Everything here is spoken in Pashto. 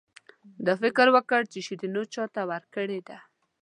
ده فکر وکړ چې شیرینو چاته ورکړې ده.